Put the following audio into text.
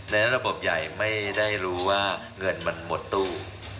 ในระบบใหญ่ไม่ได้รู้ว่าเงินมันหมดตู้